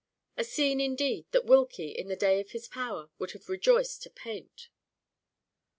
A scene indeed, that Wilkie, in the day of his power, would have rejoiced to paint.